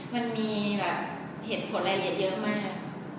มันมีแบบเหตุผลรายละเอียดเยอะมาก